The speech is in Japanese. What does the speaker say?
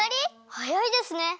はやいですね！